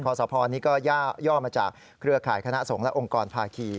สพนี้ก็ย่อมาจากเครือข่ายคณะสงฆ์และองค์กรภาคี